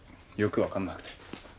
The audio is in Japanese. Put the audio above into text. よく分かんなくて。